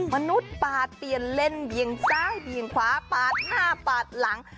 มนุษย์ปาเตียนเล่นเวียงซ้ายเบี่ยงขวาปาดหน้าปาดหลัง